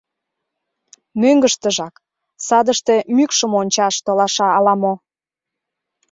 — Мӧҥгыштыжак, садыште мӱкшым ончаш толаша ала-мо.